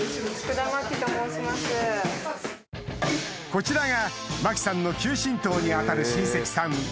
こちらが麻貴さんの９親等に当たる親戚さん